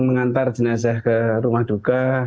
mengantar jenazah ke rumah duka